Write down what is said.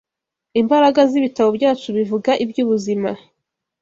Imbaraga Z’ibitabo Byacu Bivuga Iby’ubuzima